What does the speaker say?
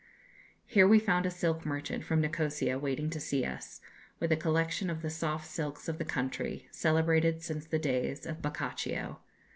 Here we found a silk merchant from Nikosia waiting to see us, with a collection of the soft silks of the country, celebrated since the days of Boccaccio.